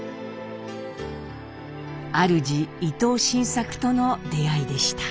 あるじ伊藤新作との出会いでした。